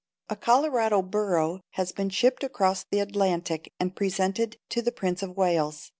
A Colorado burro has been shipped across the Atlantic and presented to the Prince of Wales.